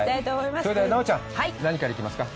それでは奈緒ちゃん、何から行きますか？